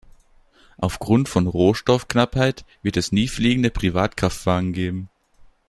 Aufgrund von Rohstoffknappheit wird es nie fliegende Privatkraftwagen geben.